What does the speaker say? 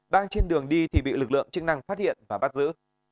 đang trên đường đi thì bị lực lượng chức năng phát hiện và bắt giữ